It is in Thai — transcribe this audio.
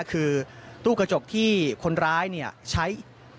คือตู้กระจกที่คนร้ายใช้